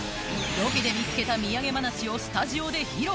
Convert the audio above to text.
ロケで見つけたみやげ話をスタジオで披露